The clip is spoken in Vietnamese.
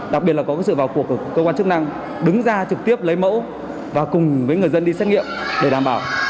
đặc biệt là có sự vào cuộc của cơ quan chức năng đứng ra trực tiếp lấy mẫu và cùng với người dân đi xét nghiệm để đảm bảo